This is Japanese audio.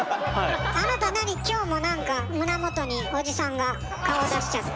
あなた何今日も何か胸元におじさんが顔を出しちゃって。